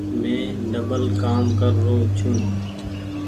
مين ڊبل ڪآم ڪر رو ڇون ۔